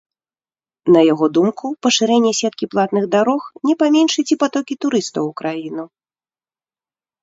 На яго думку, пашырэнне сеткі платных дарогі не паменшыць і патокі турыстаў у краіну.